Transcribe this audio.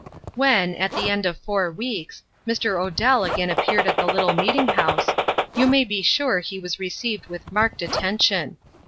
When, at the end of four weeks, Mr. Odell again appeared at the little meeting house, you may be sure he was received with marked attention.